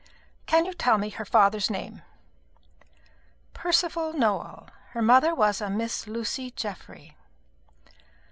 "Can you tell me her father's name?" "Percival Nowell. Her mother was a Miss Lucy Geoffry."